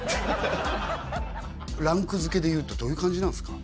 ランク付けでいうとどういう感じなんですか？